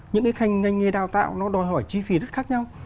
những cái ngành nghề đào tạo nó đòi hỏi chi phí rất khác nhau